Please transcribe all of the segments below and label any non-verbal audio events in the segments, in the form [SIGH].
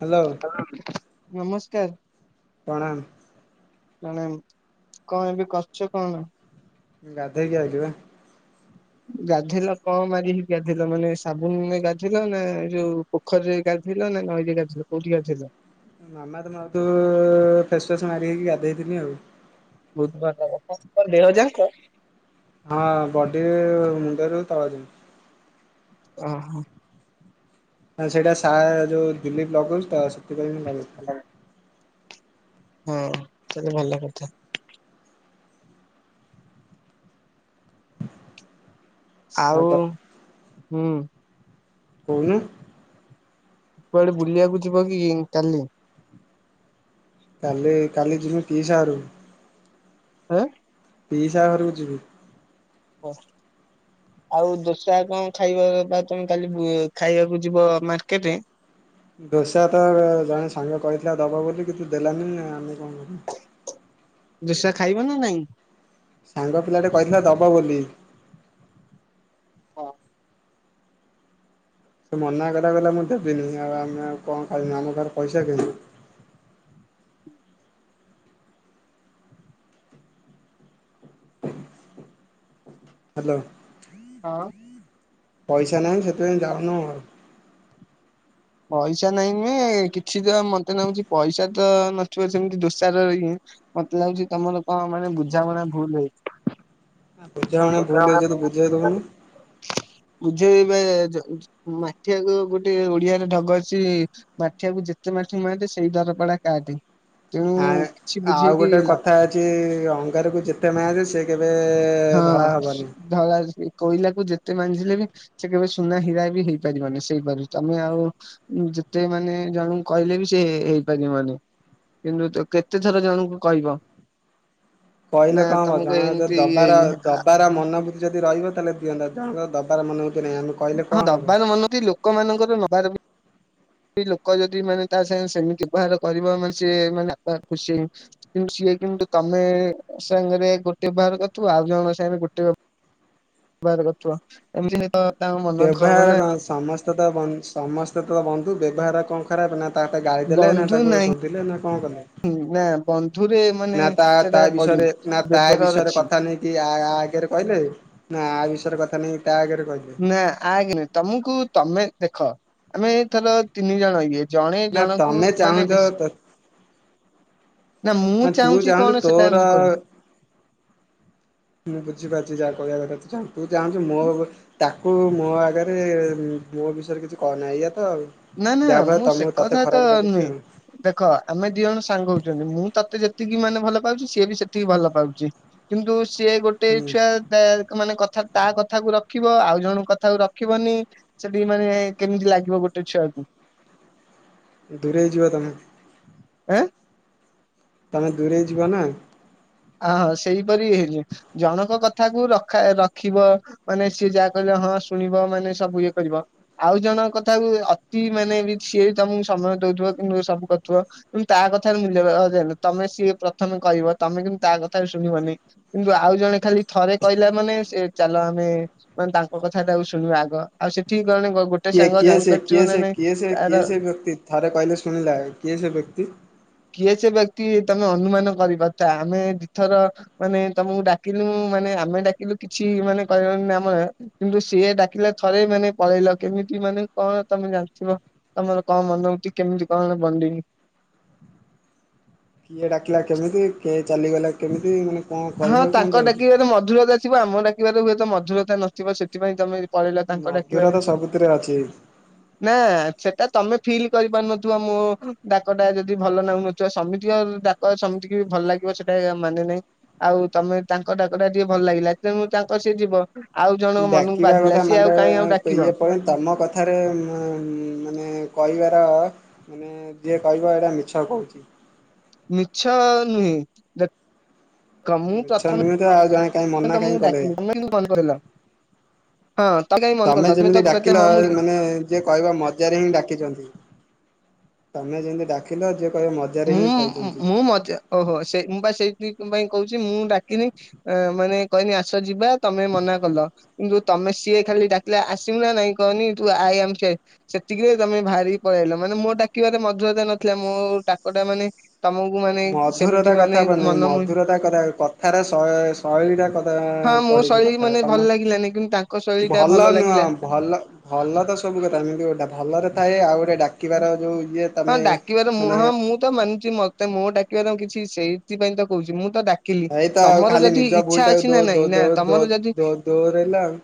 Hello. ନମସ୍କାର। ପ୍ରଣାମ। ପ୍ରଣାମ କଣ ଏବେ କରୁଚ କଣ? ଗାଧେଇକି ଆଇଲିବା। ଗାଧେଇଲ କଣ ମାରିିକି ଗାଧେଇଲ ମାନେ ସାବୁନ ଗାଧେଇଲ ନା ଏ ଯୋଉ ପୋଖରି ରେ ଗାଧେଇଲ ନା ନଈରେ ଗାଧେଇଲ କୋଉଠି ଗାଧେଇଲ? ମାମାର୍ଥ ମାର୍ଥୁ ଫେସୱାସ ମାରି ହେଇକି ଗାଧେଇଥିଲି ଆଉ। ବହୁ [UNINTELLIGIBLE] ଦେହଯାଙ୍କ [INAUDIBLE] ହଁ ବଡି ମୁଣ୍ଡରୁ ତଳ ଯାଏଁ। ଓ ହୋ ନା ସେଇଟା ସା ଯେଉ ଦିଲିପ ଲଗଉଛି ତ ସେଥିପାଇଁ ମୁଁ ଲଗେଇଥିଲି ହଁ ସେତ ଭଲ କଥା। ଆଉ ହୁଁ କହୁନୁ? କୁଆଡେ ବୁଲିବାକୁ ଯିବ କି କାଲି? କାଲି କାଲି ଯିମୁ ପିଇସା ଘରୁକୁ। ଏଁ ପିଇସା ଘରକୁ ଯିବି। କଣ [UNINTELLIGIBLE] ଆଉ ଦୋସା କଣ ଖାଇବା ବା ତମେ କାଲି ଖାଇବାକୁ ଯିବ ମାର୍କେଟେ। ଦୋସା ତ ଜଣେ ସାଙ୍ଗ କହିଥିଲା ଦବ ବୋଲି କିନ୍ତୁ ଦେଲାନି ଆମେ କଣ କରିବୁ। ଦୋଷା ଖାଇବ ନା ନାଇଁ? ସାଙ୍ଗ ପିଲାଟେ କହିଥିଲା ଦବ ବୋଲି। ସେ ମନା କଲା କହିଲା ମୁଁ ଦେବିନି ଆଉ ଆମେ ଆଉ କଣ ଖାଇବୁ ଆମ ଘରେ ପଇସା କାଇଁ। ହାଲୋ। ହଁ। ପଇସା ନାହିଁ ସେଥିପାଇଁ ଯାଉନୁ ଆଉ। ପଇସା ନାଇଁ ନୁହେଁ କିଛି ତ ମତେ ନାଗୁଛି ପଇସା ତ ନଥିବ ସେମତି ଦୋଷାର ଇଏ ମତେ ଲାଗୁଛି ତମର କଣ ମାନେ ବୁଝାମଣା ଭୁଲ ହେଇଚି। ବୁଝାମଣା ଭୁଲ ହେଇଚି ଯଦି ବୁଝେଇ ଦଉନୁ [INAUDIBLE] ବୁଝେଇବେ ଯ ମାଠିଆଗ ଗୋଟେ ଓଡିଆ ଢଗ ଅଛି ମାଠିଆକୁ ଯେତେ ମାଠିବୁ ମାଠେ ସେଇ ଦର ପଡା କାଠେ। ତେଣୁ ଆ କିଛି ଆଉ ବୁଝେଇକି ଗୋଟେ କଥା ଲାଭ ଅଙ୍ଗାରକୁ ଯେତେ ମଜେ ସେ କେବେ ହଁ ଧଳା ହବନି। ଧଳା କୋଇଲାକୁ ଯେତେ ମାଜିଲେ ବି ସେ କେବେ ସୁନା ହୀରା ବି ହେଇପାରିବନି ସେଇପାରି ତମେ ଆଉ ଯେତେ ମାନେ ଜଣଙ୍କୁ କହିଲେ ବି ସେ ହେ ହେଇପାରିବନି। କିନ୍ତୁ ତ କେତେ ଥର ଜଣଙ୍କୁ କହିବ କହିଲେ ନା କଣ ହବ ତମକୁ ଜଣଙ୍କ ଯଦି ଏମିତି ଇଏ ଦବାର ଦବାର ମନଭୂତି ଯଦି ରହିବ ତାହେଲେ ଦିଅନ୍ତା ଜଣଙ୍କର ଦବାର ମନୋଭୂତି ନାହିଁ ଆମେ କ ହଁ ଦବାର ମନଛି ଲୋକମାନଙ୍କର ନବାର ବି ଲୋକ ଯଦି ମାନେ ତା ସାଙ୍ଗେ ସେମତି ବ୍ୟବହାର କରିବ ମାନେ ସିଏ ମାନେ ଖୁସି କିନ୍ତୁ ସିଏ କିନ୍ତୁ ତମେ ସାଙ୍ଗରେ ଗୋଟେ ବ୍ୟବହାର କରିଥିବ ଆଉ ଜଣ ସାଙ୍ଗରେ ଗୋଟେ ବ୍ୟ ବାହାର କରଥିବ ଏମିତିରେ ତ ତାଙ୍କ ମନ ଦୁଃଖ ହବ ବ୍ୟବହାର ନା କଣ ସମସ୍ତେ ତ ବନ ସମସ୍ତେ ତ ବନ୍ଧୁ ବ୍ୟବହାର କଣ ଖରାପ ନା ତା ଗାଳି ଦେଲେ ନା ତାକୁ ଶୋଦିଲେ ନା କଣ କଲେ। ହୁଁ ନା ବନ୍ଧୁରେ ମାନେ ନା ତା ତା ସେଟା ପଡିନି ବିଷୟରେ ନା ତା ବ୍ୟବହାରରେ ବିଷୟରେ ଅଛି କଥା ନେଇକି କି ଆ ଆଗରେ କହିଲେ ନା ଆ ବିଷୟରେ କଥା ନେଇ ତା ଆଗରେ କହିଲେ। ନା ଆଗେରେ ତମକୁ ତମେ ଦେଖ ଆମେ ଥର ତିନି ଜଣ ଇଏ ଜଣେ ନା ଜଣଙ୍କୁ ତମେ ମାନେ ଚାହୁଁଚ ବେଶୀ ନା ମୁଁ ନାଁ ତୁ ଚାହୁଁଛି ଚାହୁଁଚୁ କଣ ସେଟା ତୋର ମୁଁ କହୁନି ମୁଁ ବୁଝିପାରୁଚି ଯାହା କହିବା କଥା ତୁ ଚାହୁଁ ତୁ ଚାହୁଁଚୁ ମୋ ତାକୁ ମୋ ଆଗରେ ମୋ ବିଷୟରେ କିଛି କହନା ଏଇଆ ତ ଆଉ। ନାଁ ନାଁ ଯାହା ଫଳରେ ମୁଁ ସେ ତମକୁ ତତେ କଥା ତ ଖରାପ ଲାଗୁଛି ନୁହେଁ। ଆଉ ଦେଖ ଆମେ ଦି ଜଣ ସାଙ୍ଗ ହୋଉଚନ୍ତି ମୁଁ ତତେ ଯେତିକି ମାନେ ଭଲ ପାଉଚି ସିଏ ବି ସେତିକି ଭଲ ପାଉଚି। କିନ୍ତୁ ସିଏ ଗୋଟେ ହୁଁ ଛୁଆ ତା କ୍ ମାନେ କଥା ତା କଥାକୁୁ ରଖିବ ଆଉ ଜଣ କଥାକୁ ରଖିବନି। ସେଠି ମାନେ କେମିତି ଲାଗିବ ଗୋଟେ ଛୁଆକୁ? ଦୂରେଇ ଯିବ ତମେ। ଆଁ? ତମେ ଦୂରେଇ ଯିବ ନାଁ। ଆ ହଁ ସେଇପରି ହେଇଯି ଜଣଙ୍କ କଥାକୁ ରଖା ରଖିବ। ମାନେ ସିଏ ଯାହା କହିଲେ ହଁ ଶୁଣିବ ମାନେ ସବୁ ଇଏ କରିବ। ଆଉ ଜଣକ କଥାକୁ ଅତି ମାନେ ବି ସିଏ ବି ତମୁକୁ ସମୟ ଦଉଥିବ କିନ୍ତୁ ସବୁ କରୁଥୁବ। ଉ ବି ତା କଥାର ମୁଲ୍ୟ ରହିବ ଯେ ଏଲୁ ତମେ ସିଏ ପ୍ରଥମେ କହିବ ତମେ କେମି ତା କଥାରେ ଶୁଣିବନନେଇ। କିନ୍ତୁ ଆଉ ଜଣେ ଖାଲି ଥରେ କହିଲା ମାନେ ସେ ଚାଲ ଆମେ ମାନେ ତାଙ୍କ କଥାଟାକୁ ଶୁଣିବ ଆଗ ଆଉ ସେଠିକି ଗଣି ଗ ଗୋ କିଏ କିଏ ସେ କିଏ ସେ କିଏ ସେ କିଏ ସେ ବ୍ୟକ୍ତି ଥରେ କହିଲେ ଶୁିଣିଲା କିଏ ସେ ବ୍ୟକ୍ତି? କିଏ ସେ ବ୍ୟକ୍ତି ତମେ ଅନୁମାନ କରିପାରୁଥା ଆମେ ଦି ଥର ମାନେ ତମୁକୁ ଡାକିଲୁ ମାନେ ଆମେ ଡାକିଲୁ କିଛି ମାନେ କହିବନି ନା ଆମ କିନ୍ତୁ ସିଏ ଡାକିଲେ ଥରେ ମାନେ ପଳେଇଲ କେମିତି ମାନେ କଣ ତମେ ଜାଣିଥିବ। ତମର କଣ ମନ ହଉଚି କେମିତି କଣ ବଣ୍ଡିଂ? କିଏ ଡାକିଲା କେମିତି କିଏ ଚାଲିଗଲା କେମିତି ମାନେ କଣ ହଁ କହିବାକୁ କଣ ତାଙ୍କ ଯାଉଛୁ? ଡାକିବାରେ ମଧୁରତା ଥିବ ଆମ ଡାକିବାରେ ହୁଏ ତ ମଧୁରତା ନ ଥିବ ସେ ଥିପାଇଁ ତମେ ବି ପଳେଇଲ ତାଙ୍କ ମଧୁର ଡାକିବାରେ। ତ ସବୁଥିରେ ଅଛି ନାଁ ସେଟା ତମେ ଫିଲ୍ କରିପାରୁନଥୁବ ମୋ ଡାକଟା ଯଦି ଭଲ ନାଗୁନ ଥିବ ସମିତିକ ଡାକ ସମିତିକି ବି ଭଲ ଲାଗିବ ସେଟା ଇଆ ମାନେ ନାହିଁ। ଆଉ ତମେ ତାଙ୍କ ଡାକଟା ଟିକେ ଭଲ ଲାଗିଲା ତେଣୁ ତାଙ୍କ ସିଏ ଯିବ। ଆଉ ଜଣଙ୍କ ମନୁକୁ ବାଧିଲା ସିଏ ଆଉ କାଇଁ ଆଉ ଡାକିବ? କୋଉଅଁ ତମ କ ଥାରେ ମଁ ମାନେ କହିବାର ନେ ଯିଏ କହିବ ଏଟା ମିଛ କହୁଚି। ମିଛ ନୁହେଁ ଦେ କ ମୁଁ ମିଛ ନୁହେଁ ତ ଆଉ ଜଣେ କାହିଁ ପ୍ରଥମେ ମନା କାହିଁ ତମକୁ କଲେ। ଡାକିଲି ତମେ କିନ୍ତୁ କନ୍ କହିଲ। ହଁ ତମେ କାଇଁ ମନ କଲ ତମେ ଯେମିତି ତ ହୁଏ ତ ଡାକିଲ ହଁ ମୁଁ ଇଏ ମାନେ ଯିଏ କହିବ ମଜାରେ ହିଁ ଡାକିଛନ୍ତି ତମେ ଯେମିତି ଡା କିଲ ଯିଏ କହିବ ମଜାରେ ହିଁ ମୁଁ କହୁଚନ୍ତି। ମୁଁ ମଜା ଓହୋ ସେ ମୁଁ ପା ସେଇଥିପାଇଁ କହୁଚି ମୁଁ ଡାକିନି। ଏଁ ମାନେ କହିନି ଆସ ଯିବା ତମେ ମନା କଲ। ଇନ୍ତୁ ତମେ ସିଏ ଖାଲି ଡାକିଲେ ଆସିବୁ ନାଁ ନାଇଁ କହନି ତୁ ଆଇ ଆମେ ଠିଆହେଇ ସେତିକିରେ ତମେ ଭାରି ପଳିଆଇଲ ମାନେ ମୋ ଡାକିବାରେ ମଧୁରତା ନଥିଲା ମୋ ଟାକଟା ମାନେ ତମକୁ ମାନେ ସେମିତି ମଧୁରତା କଥା ମାନେ କୁହନ୍ତି ନେଇ ମନ ମୁହିଁ ମଧୁରତା କଥା କଥାରେ ଶଏଶ୍ ଶୈଳୀଟା କଥା ହଁ ମୋ ପଡ଼ିଚ ଶୈଳୀ କଥା ମାନେ ଭଲ ତମ ଲାଗିଲାନି କିନ୍ତୁ ତାଙ୍କ ଶୈଳୀ ଟା ଭଲ ନୁହଁ ଲାଗିଲା ଭଲ ଭଲ ତ ସବୁ କଥା ଯେମିତି ଗୋଟେ ଭଲରେ ଥାଏ ଆଉ ଗୋଟେ ଡାକିବାର ଯୋଉ ଇଏ ହଁ ତମେ ଡାକିବାର ମୁଁ ମାନେ ହଁ ମୁଁ ତ ମାନୁଚି ମତେ ମୋ ଡାକିବାର କିଛି ସେଇଥିପାଇଁ ତ କହୁଚି ମୁଁ ତ ଡା କିଲି ଏଇତ ଆଉ ତମର ଖାଲି ଯଦି ନିଜ ଭୁଲ ଇଚ୍ଛା ଟାକୁ ଅଛି ଦୋ ନାଁ ଦୋ ନାଇଁ ଦୋ ନାଁ ଦୋ ତମର ଯଦି ଦୋ ଦୋହରେଇଲା ଆଉ।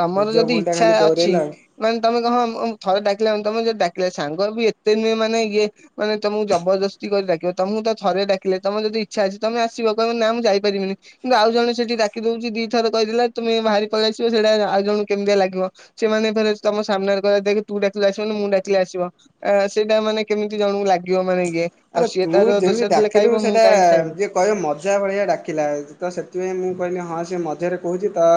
ତମର ନିଜ ଯଦି ଭୁଲ ଟା ଇଚ୍ଛା ଖାଲି ଅଛି ଦୋହରେଇଲା ଆଉ। ମାନେ ତମେ କହ ଅଁ ଥରେ ଡାକିଲେ ମାନେ ତମେ ଯଦି ଡାକିଲେ ସାଙ୍ଗ ବି ଏତେ ନୁହେଁ ମାନେ ଇଏ ମାନେ ତମୁକୁ ଜବରଦସ୍ତି ଡାକିବ ତମୁ ତ ଥ ଡକିଲେ ତମ ଯଦି ଇଚ୍ଛା ଅଛି ତମେ ଆସିବ କହିବ ନାଁ ମୁଁ ଯାଇପାରିବିନି। କିନ୍ତୁ ଆଉ ଜଣ ସେଠି ଡାକି ଦଉଛି ଦିଥର କହିଦେଥିଲା, ତୁମେ ବାହାରି ପଳେଇ ଆସିବ, ସେଇଟା ଆଉ ଜଣଙ୍କୁ କେମିତିଆ ଲାଗିବ! ସେମାନେ ଫେରେ ତମ ସାମ୍ନାରେ କହେ ଦେଖ୍ ତୁ ଡାକିଲେ ଆସିବନି। ମୁଁ ଡାକିଲେ ଆସିବ। ଆ, ସେଇଟା ମାନେ କେମିତି ଜଣଙ୍କୁ ଲାଗିବ ମାନେ ଇଏ। ଆଉ ଆରେ ସିଏ ତୁ ତାର ଦୋଷ ଯେମି ଦେଲେ ଖାଇବ ଡାକିଲୁ ମୁଁ ସେଟା କାହିଁ ଖାଇବି। ଯିଏ କହିବେ ମଜା ଭଳିଆ ଡାକିଲା, ତ ସେଥିପାଇଁ ମୁଁ କହିନି ହଁ, ସେ ମଜାରେ କହୁଛି ତ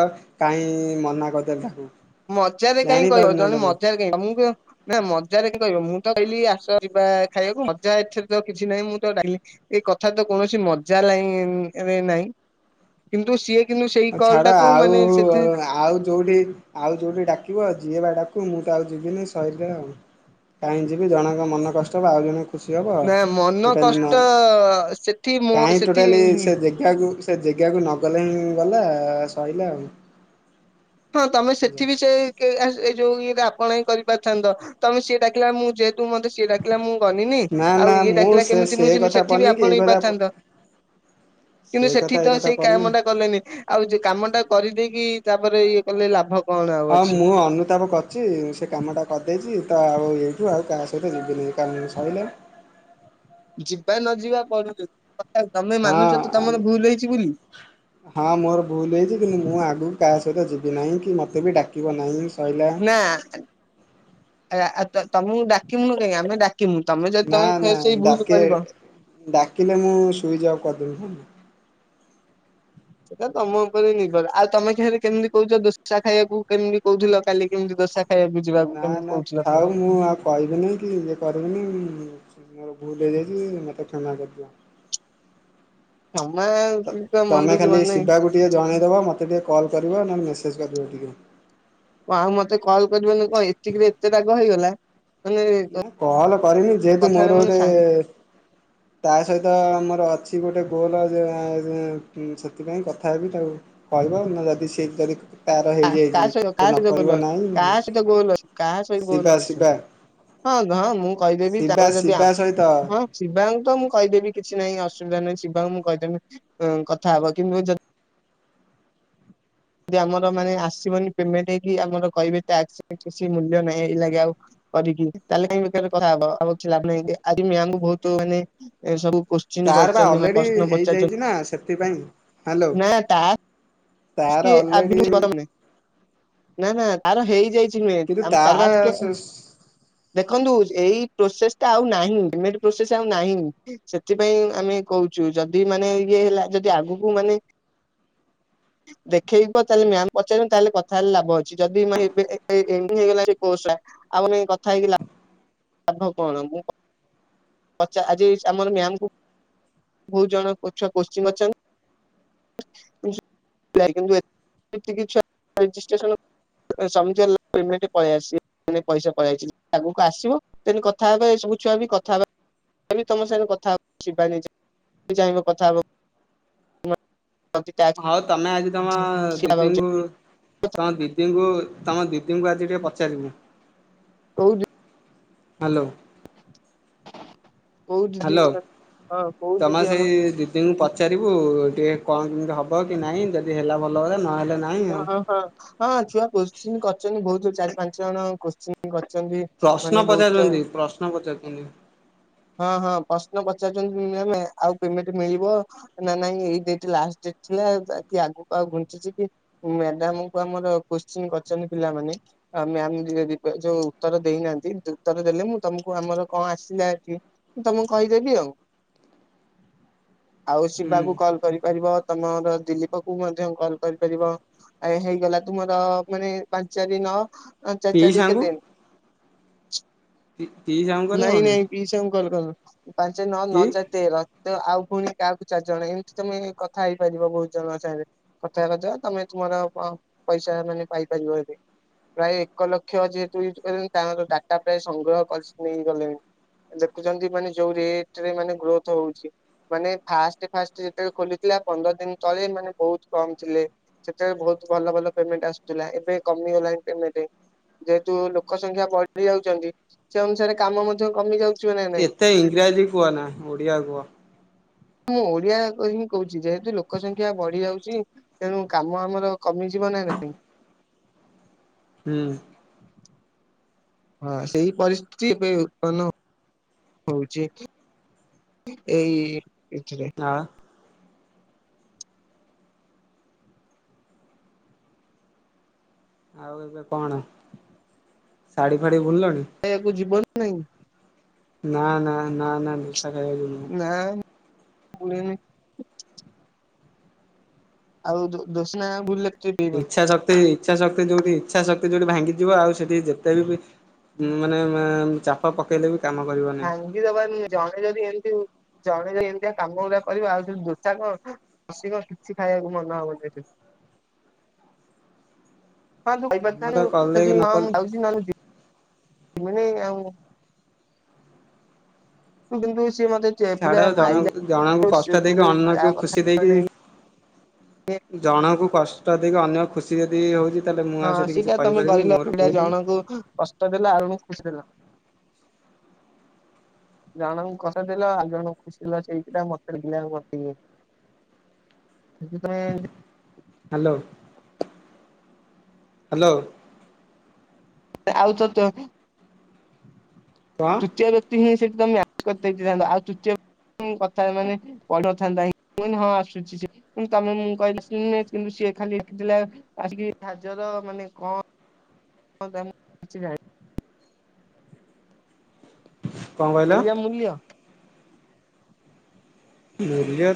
କାଇଁ ମନା କରିଦେଲେ ତାକୁ। ମଜାରେ କାଇଁ କହିବ? ଜାଣିପାରୁନ ଜଣେ ତମେ ମଜାରେ କାଇଁ [UNINTELLIGIBLE] ମୁଁ କ ନା ମଜାରେ କାଇଁ କହିବ, ମୁଁ ତ କହିଲି ଆସ ଯିବା ଖାଇଆକୁ ମଜା ଏଥିରେ ତ କିଛି ନାହିଁ। ମୁଁ ତ ଡାକିଲିି ଏଇ କଥା ତ କୌଣସି ମଜା ଲାଇନ୍ ରେ ନାହିଁ। କିନ୍ତୁ ସିଏ କିନ୍ତୁ ସେଇ କଲ୍ ଛାଡ, ଟାକୁ ମାନେ ସେଠି ଆଉ ଆଉ ଯଉଠି ଆଉ ଯଉଠି ଡାକିବ! ଯିଏ ବା ଡାକୁ ମୁଁ ତ ଆଉ ଯିବିନି, ସଇଲା ଆଉ। କାହିଁ ଯିବି, ଜଣଙ୍କ ମନ କଷ୍ଟ ହବ, ଆଉ ଜଣେ ଖୁସି ହବ, ନା ମନ ଟୋଟାଲି ନ, କଷ୍ଟ ସେଠି ମୋ କାହିଁ ସେଠି ଟୋଟାଲି ସେ ଯେ କାହାକୁ ସେ ଜେଗାକୁ ନଗଲେ ହିଁ ଗଲା। ସଇଲା ଆଉ। ହଁ, ତମେ ସେଠି ବି ସେଇ କେ ଆହ୍ ଏ ଯଉ ଇଏଟା ଆପଣ ହଁ କରି ପାରିଥାନ୍ତ। ତମେ ସିଏ ଡାକିଲା, ମୁଁ ଯେହେତୁ ମତେ ସିଏ ଡାକ୍ କିଲା ମୁଁ ଗନିନି। ନା ଆଉ ନା ଇଏ ମୁଁ ଡାକିଲା ସେ କେମିତି ସେ ମୁଁ ଯିମି କଥା ସେଠି ପଡନି କି ଏଇ ଆପଣେଇ କଥା ପରିଥାନ୍ତ। କିନ୍ତୁ, ସେ ସେଠି କଥା ତ ଏଇ କଥା ସେଇ ପଡନି। କାମ ଟା କଲେନି। ଆଉ ଯେ କାମ ଟା କରିଦେଇକି, ତା'ପରେ ଇଏ କଲେ ଲାଭ କଣ ଆଉ ହଁ, ଅଛି ମୁଁ ଅନୁତାପ କର୍ ଚି, ସେ କାମଟା କରିଦେଇଛି, ତ ଆଉ ଏଇଠୁ ଆଉ କାହା ସହିତ ଯିବିନି, କାମ ସଇଲା। ଯିବା ନ ଯିବା ପର [UNINTELLIGIBLE] ତମେ ମାନୁଛ ତ ହଁ ତମର ଭୁଲ ହେଇଛି ବୋଲି। ହଁ, ମୋର ଭୁଲ ହେଇଛି। କିନ୍ତୁ, ମୁଁ ଆଗକୁ କାହା ସହିତ ଯିବି ନାହିଁ, କି ମତେ ବି ଡାକିବ ନାହିଁ? ସଇଲା। ଆଁ ଆ-ତମକୁ ଡାକିମୁନୁ କାହିଁ, ଆମେ ଡାକ [INAUDIBLE] କି ମୁଁ ତମେ ଯଦି ନା ତମେ ନା ଫେର୍ ସେଇ ଭୁଲ୍ ଡାକେ କରିବ। ଡାକିଲେ ମୁଁ, ସୁଇଜ ଅଫ୍ କରିଦେମି ହେନା। ସେଟା ତମ ଉପରେ ନିର୍ଭର। ଆଉ ତମେ ଖାଲି କେମିତି କହୁଛ ଦୋସା ଖାଇଆକୁ କେମିତି କହୁଥୁଲ, କାଲି କେମିତି ଦୋସା ଖାଇବାକୁ ଯିବାକୁ ନା, କେମିତି ନା, କହୁଥିଲ ଫେରେ। ଥାଉ ମୁଁ ଆଉ ଖାଇବିନି କି, ଇଏ କରିବିନି, ମୋର ଭୁଲ ହେଇଯାଇଛି। ମୋତେ କ୍ଷମା କରିଦିଅ। କ୍ଷମା ତ କଣ ତମେ ମଣିଷ ଖାଲି ଜୀବନ ନାଇଁ? ଶିବାକୁ ଟିକେ ଜଣେଇ ଦବ। ମୋତେ ଟିକେ କଲ୍ କରିବ। ନନେ ମେସେଜ୍ କରିବ ଟିକେ। କଁ ଆଉ ମତେ କଲ୍ କରିବନି କଁ? ଏତିକିରେ ଏତେ ରାଗ ହେଇଗଲା? ମାନେ ନା କଲ୍ କରିମିନି, ଯେହେତୁ କଥାଟା ମୋର ଗୋଟେ ମାନେ ତା' ସହିତ ମୋର ଅଛି ଗୋଟେ ଗୋଲ, ଯେ-ଯେଁ ସେଥିପାଇଁ କଥା ହେବି ତାକୁ କହିବ ନା, ଯଦି ସେ କରି କାହା, କାହା ସହିତ! କାହା ସହିତ ଗୋଲ୍ ଅ? କାହା ସହିତ ଗୋଲ୍ ଅଛ୍? କାହା ସହି ଗୋଲ୍ ଶିବା ଅଛି? ଶିବା ହଁ, ହଁ ମୁଁ କହିଦେବି। ଶିବା ତାର ଯଦି ଆଁ, ଶିବା ସହିତ ହଁ। ଶିବାଙ୍କୁ ତ ମୁଁ କହିଦେବି କିଛି ନାହିଁ, ଅସୁବିଧା ନାହିଁ। ଶିବାଙ୍କୁ ମୁଁ କହିଦେମି କଥା ହବ। କିନୁ ଯଦ୍ ଦି ଆମର ମାନେ ଆସିବନି ପେମେଣ୍ଟ ହେଇକି, ଆମର କହିବେ ଟାକ୍ସ କିଛି ସି ମୂଲ୍ୟ ନାହିଁ, ଏଇ ଲାଗେ ଆଉ କରିକି। ତା'ହେଲେ କାଇଁ ବେକାର କଥାହବ। ଆଉ କିଛି ଲାଭ୍ ନାହିଁ। ଆଜି ମ୍ୟାମ୍ ଙ୍କୁ ବହୁତ ମାନେ ସବୁ କୋଶ୍ ସ୍ଚିନି ତାର ବା କରିଛନ୍ତି। ଅଲରେଡି ପ୍ରଶ୍ନ ପଚାରଛନ୍ତି। ହେଇଯାଇଛି ନା ସେଥିପାଇଁ ହ୍ୟାଲୋ। ନା, ଟାକ୍ ତାର ଅଲରେଡି [INAUDIBLE] ନା, ନା, ତାର ହେଇଯାଇଛି ନୁହେଁ। କିନ୍ତୁ ଆମେ ତାର ବା ଟାସ୍କେ ସେ ଦେଖନ୍ତୁ, ଏଇ ପ୍ରୋସେସ୍ ଟା ଆଉ ନାହିଁ। ପେମେଣ୍ଟ ପ୍ରୋସେସ୍ ଆଉ ନାହିଁ। ସେଥିପାଇଁ ଆମେ କହୁଛୁ, ଯଦି ମାନେ ଇଏ ହେଲା। ଯଦି ଆଗକୁ ମାନେ ଦେଖେଇବ, ତାହେଲେ ମ୍ୟାମ୍ କୁ ପଚାରିବୁନୁ, ତାହେଲେ କଥା ହେଲେ ଲାଭ ଅଛି। ଯଦି ଏବେ ଏ ଏନଡିଙ୍ଗ୍ ହେଇଗଲା ଯେ କୋର୍ସଟା। ଆଉ [INAUDIBLE] କଥା ହେଇକି, ଲା-ଲାଭ କଣ? ମୁଁ ପଚା ଆଜି ଆମର ମ୍ୟାାମ୍ କୁ ବହୁତ ଜଣ ଛୁଆ କୋଶ୍ଚିନ୍ [UNINTELLIGIBLE] [INAUDIBLE] ଏତିକି ଛୁଆ ରେଜିଷ୍ଟେସନ [INAUDIBLE] ପେମେଣ୍ଟ ପଳେଇ ଆସି [INAUDIBLE] ପଇସା ପଳେଇ ଆଇଚି, ଆଗକୁ ଆସିବ। ତେଣୁ କଥା ହେବା ଏ ଛୁଆ ବି କଥା ତମ ସାଙ୍ଗ କଥା ଯିବାନି। ଚାହିଁବ କଥା ହବାକୁ। ହଉ ତମେ ଆଜି ତମ ଦିଦଙ୍କୁ କୋଉ ତମ ଦିଦିଙ୍କୁ ତମ ଦିଦିଙ୍କୁ ଆଜି ଟିକେ ପଚାରିବୁ। [UNINTELLIGIBLE] ହ୍ୟାଲୋ। କୋଉ ଦିଦି ହ୍ୟାଲୋ ହଁ କୋଉ ତମ ଦିଦି ଆମ ସେଇ ଦି ଦିଦିଙ୍କୁ ପଚାରିବୁ ଟିକେ କଣ କେମିତି ହବ କି ନାଇଁ ଯଦି ହେଲା ଭଲ କଥା ନହେଲେ ନା ଓ ହଁ ହଁ ହଁ ଛୁଆ କୋଶ୍ଚି କରିଛନ୍ତି ବହୁତ ଚାରି ପାଞ୍ଚ ଜଣ କୋଶ୍ଚିନ୍ କରିଛନ୍ତି। ମାନେ ପ୍ରଶ୍ନ ବହୁତ ଛୁଆ ପଚାରୁଛନ୍ତି ପ୍ରଶ୍ନ ପଚାରୁଛନ୍ତି। ହଁ ହଁ ପ୍ରଶ୍ନ ପଚାରୁଛନ୍ତି ଆଉ ପେମେଣ୍ଟ ମିଳିବ। ନା ନାଇଁ ଏଇ ଡଟ ଲାଷ୍ଟ ଡେଟ ଥିଲାକି ଆଗକୁ ଆଉ ଘୁଞ୍ଚିଚି କି? ମ୍ୟାଡାମକୁ ଆମର କୋଶ୍ଚିନ୍ କରିଛନ୍ତି ପିଲାମାନେ ଆ ମ୍ୟାମ ଯ ଯୋଉ ଉତ୍ତର ଦେଇନାହାନ୍ତି ଉତ୍ତର ଦେଲେ ମୁଁ ତମକୁ ଆମର କଣ ଆସିଲା ଏଠି ମୁ ତମକୁ କହିଦେବି। ଆଉ ଆଉ ହୁଁ ଶିବାକୁ କଲ କରିପାରିବ ତମର ଦିଲୀପ କ ମଧ୍ୟ କଲ୍ କରିପାରିବ। ଆ ହେଇଗଲା ତୁମର ମାନେ ପାଞ୍ଚ ଚାରି ନଁ। ଆ ଚାଚା ଯ ପିଇସାଙ୍କୁ କେତେ ନ ପିଇସାଙ୍କୁ ନାଇଁ କରିହବନି ଇ କଲ କଲୁ ପାଞ୍ଚ ଚାରି ନଅ କି ନଅ ଚାରି ତେର ଆଉ ପୁଣି କାହାକୁ ଚାରିଜଣ ଏମିତି ତମେ କଥା ହେଇପାରିବ ବହୁତ ଜଣ ସାଙ୍ଗରେ। କଥା କଥା ତମେ ତୁମର ପଇସା ମାନେ ପାଇପାରିବ ଏବେ। ପ୍ରାୟ ଏକ ଲକ୍ଷ ଯେହେତୁ ୟଜ୍ କଲେ ତାଙ୍କର ଡାଟା ପ୍ରାୟ ସଂଗ୍ରହ କରି ନେଇ ଗଲେଣି। ଦେଖୁଛନ୍ତି ମାନେ ଯୋଉ ରେଟ ରେ ମାନେ ଗ୍ରୋଥ ହଉଛି। ମାନେ ଫାଷ୍ଟ ଫାଷ୍ଟ ଯେତେବେଳେ ଖୋଲିଥିଲା। ପନ୍ଦର ଦିନି ତଳେ ମାନେ ବହୁତ କମ ଥିଲେ। ସେତେବେଳେ ବହୁତ ଭଲ ଭଲ ପେମେଣ୍ଟ ଆସୁଥିଲା। ଏବେ କମି ଗଲାଣି ପେଟେଣ୍ଟ। ଯେହେତୁ ଲୋକ ସଂଖ୍ୟା ବଢି ଯାଉଛନ୍ତି। ସେ ଅନୁସାରେ କାମ ମଧ୍ୟ କମି ଯାଉଛି। ନା ନାଇଁ। ଏତେ ଇଂରାଜୀ କୁହ ନା ଓଡିଆ କୁହ। ମୁଁ ଓଡିଆ ହିଁ କହୁଛି ଯେହେତୁ ଲୋକ ସଂଖ୍ୟା ବଢି ଯାଉଛି। ତେଣୁ କାମ ଆମର କମିଯିବ ନା ନାଇଁ। ହୁଁ। ହଁ ସେଇ ପରିସ୍ଥିତି ଏବେ ଉତ୍ପନ୍ନ ହଉଛି। ଏଇ ଏଇଥିରେ। ହଁ। ଆଉ ଏବେ କଣ ଶାଢୀ ଫାଢି ବୁଲିଲଣି? ଖାଇବାକୁ ଯିବ ନା ନାହିଁ। ନା ନା ନା ନା। ନିଶା ଖାଇବାକୁ ଯିବୁନି। ନା [UNINTELLIGIBLE] ଆଉ ଦୋସନା ବୁଲ ଇଛା ଶକ୍ତି ଇଛା ଶକ୍ତି ଯୋଉଠି ଇଛା ଶକ୍ତି ଯୋଉଠି ଭାଙ୍ଗିଯିବ ଆଉ ସେଠି ଯେତେ ବି ଉଁ ମାନେ ଚାପ ପକେଇଲେ ବି କାମ କରିବନି। [UNINTELLIGIBLE] ଜଣେ ଯଦି ଏମିତି ଜଣେ ଯ ଏମିତିଆ କାମ ଗୁଡା କରିବ। ଆଉ ସେଠି ଦୋସା କଣ ହସିବ କଣ କିଛି ଖାଇବାକୁ ମନ ହବନି ଏଠି। ହଁ ଭ କାମ ବାୁ ତ କଲେ କି କଲେ ନ [UNINTELLIGIBLE] ମାନେ ଆଉ [UNINTELLIGIBLE] କିନ୍ତୁ ସେ ମତେ ଚେ ପୁରା ଛାଡ ଜଣ ମାଇଲା ଜଣଙ୍କୁ ସେ କଷ୍ଟ ତୁ ଦେଇକି ବି ତା ଅନ୍ୟକୁ କଥା ଖୁସି ଦେଇକି ମାନେ ଇଏ ଜଣକୁ କଷ୍ଟ ଦେଇକି ଅନ୍ୟ ଖୁସି ଯଦି ହଉଛି ତାହେଲେ ମୁଁ ହଁ ଆଉ ସେଠି କିଛି ସେଇଟା ତମେ କହିପାରିବିନି ମୋର କହିଲ ଭୁଲ। ଜଣଙ୍କୁ କଷ୍ଟ ଦେଲ ଆଉ ଜଣକୁ ଖୁସି ଦେଲ। [INAUDIBLE] ଜଣଙ୍କୁ କଷ୍ଟ ଦେଲ ଆଉ ଜଣକୁ ଖୁସି ଦେଲ ସେଇଟା ମତେ ଟିଲ ମ [UNINTELLIGIBLE] ସେଥିପାଇଁ ହ୍ୟାଲୋ। ହ୍ୟାଲୋ। ଆଉ ତ ତ। କଣ ତୃତୀୟ ବ୍ୟକ୍ତି ହିଁ ସେଠି ତମେ ମାପ କରିଦେଇଥାନ୍ତ ଆଉ ତୃତୀୟ ବ୍ୟକ୍ତି କଥା ମାନେ ପଦିନଥାନ୍ତା ମୁଁ କହିଲି ହଁ ଆସୁଛି ସେ ତମେ ମୁଁ କହିଲି କିନ୍ତୁ ସେ ଖାଲି ଲେଖିଥିଲା ଆସିକି ହାଜର ମାନେ କଣ କଣ ମୁଁ କିଛି ଜାଣିନି? [INAUDIBLE] ଏଇଆ ମୂଲ୍ୟ। ମୂଲ୍ୟ।